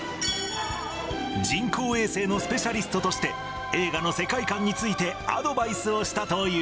人工衛星のスペシャリストとして、映画の世界観についてアドバイスをしたという。